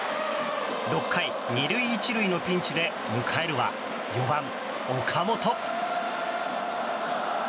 ６回、２塁１塁のピンチで迎えるは４番、岡本。